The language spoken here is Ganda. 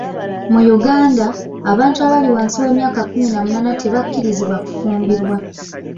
Mu Uganda, abantu abali wansi w'emyaka kkumi na munaana tebakkirizibwa kufumbirwa.